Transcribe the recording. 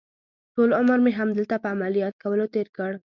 ټول عمر مې همدلته په عملیات کولو تېر کړ.